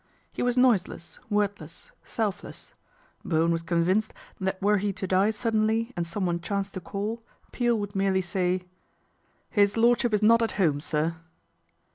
He was noiseless, wordless, selfless. Bowen was convinced that were he to die suddenly and someone chance to call, Peel would merely say :" His Lordship is not at home, sir."